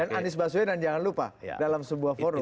dan anies baswedan jangan lupa dalam sebuah forum